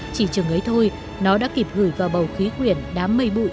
chỉ chừng ấy thôi nó đã kịp gửi vào bầu khí quyển đám mây bụi